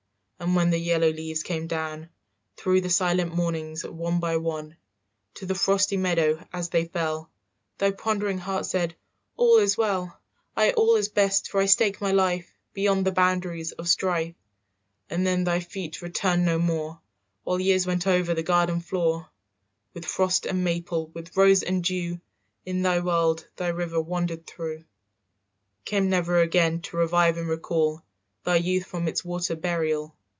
"And when yellow leaves came down Through the silent mornings one by one "To the frosty meadow, as they fell Thy pondering heart said, 'All is well; "'Aye, all is best, for I stake my life Beyond the boundaries of strife,' "And then thy feet returned no more, While years went over the garden floor, "With frost and maple, with rose and dew, In the world thy river wandered through; "Came never again to revive and recall Thy youth from its water burial.